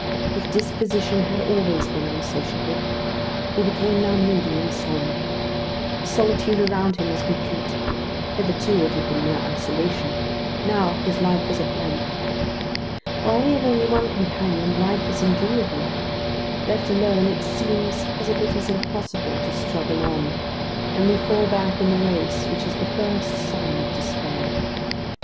His disposition had always been unsociable; he became now moody and sullen. The solitude around him was complete. Hitherto it had been mere isolation; now his life was a blank. While we have only one companion, life is endurable; left alone, it seems as if it is impossible to struggle on, and we fall back in the race, which is the first sign of despair.